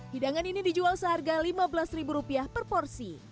hidangan ini dijual seharga lima belas ribu rupiah per porsi